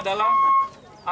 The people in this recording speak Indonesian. kita mencoba mengusahakan